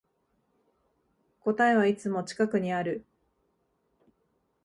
答えはいつも近くにある